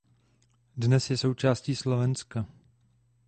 Dnes je součástí Slovenska.